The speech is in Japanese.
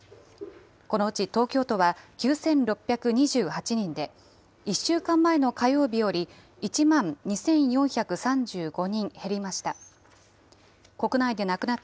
このうち東京都は９６２８人で、１週間前の火曜日より１万２４３５人減りました。